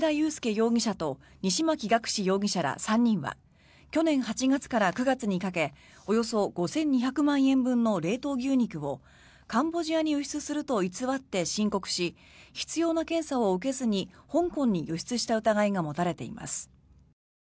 容疑者と西槇学志容疑者ら３人は去年８月から９月にかけおよそ５２００万円分の冷凍牛肉をカンボジアに輸出すると偽って申告し必要な検査を受けずに香港に輸出した疑いが持たれています。